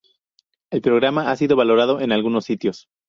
El programa ha sido valorado en algunos sitios.